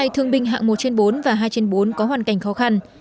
một trăm chín mươi hai thương binh hạng một trên bốn và hai trên bốn có hoàn cảnh khó khăn